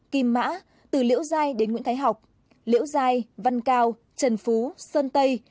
kim mã từ liễu giai đến nguyễn thái học liễu giai văn cao trần phú sơn tây